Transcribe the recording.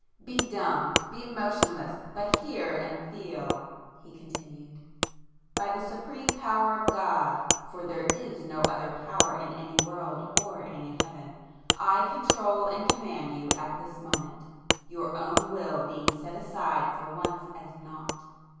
"Be dumb,—be motionless!—but hear and feel!" he continued—"By the supreme power of God,—for there is no other power in any world or any heaven,—I control and command you at this moment, your own will being set aside for once as naught!